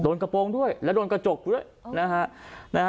กระโปรงด้วยและโดนกระจกด้วยนะฮะ